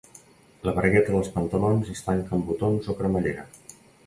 La bragueta dels pantalons es tanca amb botons o cremallera.